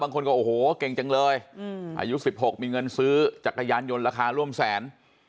บางคนก็โอ้โหเก่งจังเลยอายุ๑๖มีเงินซื้อจักรยานยนต์ราคาร่วมแสน